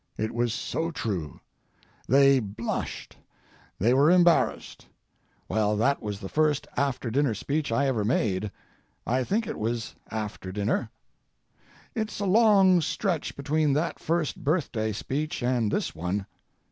It was so true: They blushed; they were embarrassed. Well, that was the first after dinner speech I ever made: I think it was after dinner. It's a long stretch between that first birthday speech and this one.